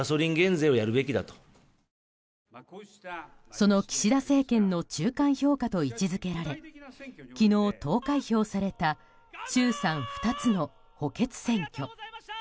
その岸田政権の中間評価と位置付けられ昨日、投開票された衆参２つの補欠選挙。